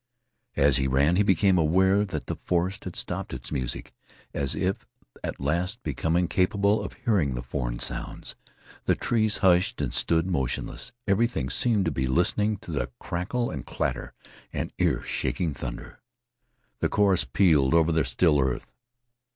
As he ran, he became aware that the forest had stopped its music, as if at last becoming capable of hearing the foreign sounds. The trees hushed and stood motionless. Everything seemed to be listening to the crackle and clatter and earshaking thunder. The chorus pealed over the still earth.